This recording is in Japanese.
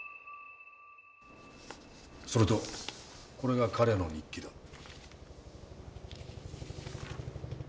それとこれが彼の日記だ。